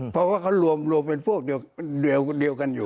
เพราะว่าเขารวมเป็นพวกเดียวกันอยู่